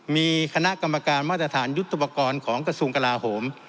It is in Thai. มีคณะกรรมการมาตรฐานยุทธุปกรณ์ของกระทรวงกลาโหม